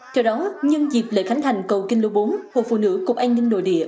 theo đó nhân dịp lễ khánh thành cầu kinh lô bốn hồ phụ nữ cục an ninh nội địa